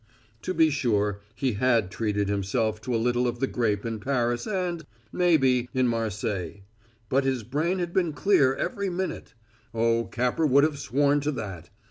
To be sure, he had treated himself to a little of the grape in Paris and, maybe, in Marseilles; but his brain had been clear every minute. Oh, Capper would have sworn to that!